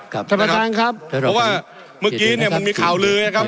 ท่านประธานครับเพราะว่าเมื่อกี้เนี่ยมันมีข่าวลือนะครับ